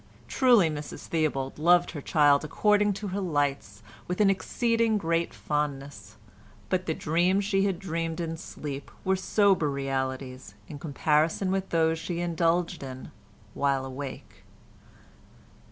Truly, Mrs Theobald loved her child according to her lights with an exceeding great fondness, but the dreams she had dreamed in sleep were sober realities in comparison with those she indulged in while awake.